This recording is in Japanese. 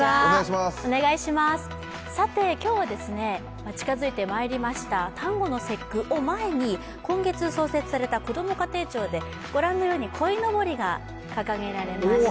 さて、今日は近づいてまいりました、端午の節句を前に今月創設された、こども家庭庁でご覧のように、こいのぼりが掲げられました。